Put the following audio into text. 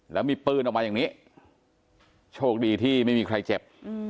แล้วมีปืนออกมาอย่างนี้โชคดีที่ไม่มีใครเจ็บ